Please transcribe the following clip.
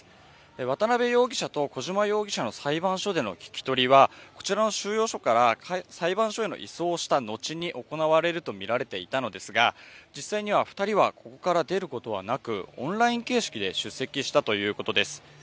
渡辺容疑者と小島容疑者の裁判所での聞き取りはこちらの収容所から裁判所への移送した後に行われるとみられていたのですが実際には２人はここから出ることはなくオンライン形式で出席したということです。